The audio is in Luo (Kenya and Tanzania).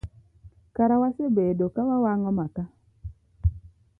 Kara wasebedo kawawang'o maka.